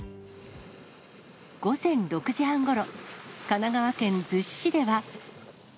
午前６時半ごろ、神奈川県逗子市では。